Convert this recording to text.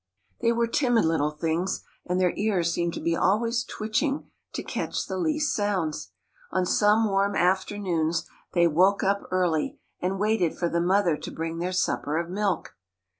They were timid little things, and their ears seemed to be always twitching to catch the least sounds. On some warm afternoons they woke up early, and waited for the mother to bring their supper of milk.